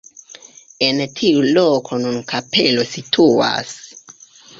En tiu loko nun kapelo situas.